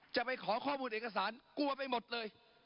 จะไปขอข้อมูลเอกสารกลัวไปหมดเลย